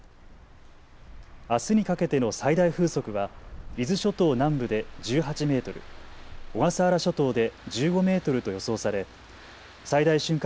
あすにかけての最大風速は伊豆諸島南部で１８メートル、小笠原諸島で１５メートルと予想され最大瞬間